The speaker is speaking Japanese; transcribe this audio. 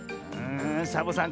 サボさん